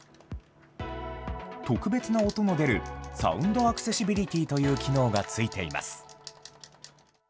特別な音の出るサウンドアクセシビリティという機能が付いています。